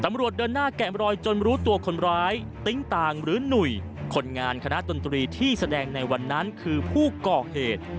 เดินหน้าแกะมรอยจนรู้ตัวคนร้ายติ๊งต่างหรือหนุ่ยคนงานคณะดนตรีที่แสดงในวันนั้นคือผู้ก่อเหตุ